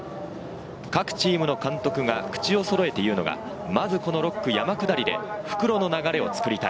各チームの監督が口をそろえて言うのがまずこの６区・山下りで復路の流れを作りたい。